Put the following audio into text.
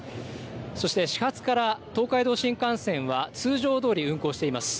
そして始発から東海道新幹線は通常どおり運行しています。